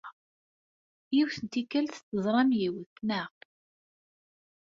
Yiwet n tikkelt, teẓram yiwet, naɣ?